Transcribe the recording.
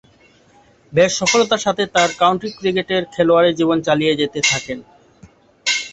বেশ সফলতার সাথে তার কাউন্টি ক্রিকেটের খেলোয়াড়ী জীবন চালিয়ে যেতে থাকেন।